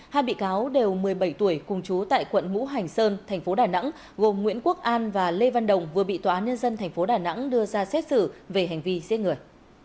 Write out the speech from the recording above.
hai bị cáo đều một mươi bảy tuổi cùng chú tại quận mũ hành sơn thành phố đà nẵng gồm nguyễn quốc an và lê văn đồng vừa bị tòa án nhân dân tp đà nẵng đưa ra xét xử về hành vi giết người